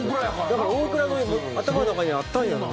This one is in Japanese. だから大倉の頭の中にはあったんやな。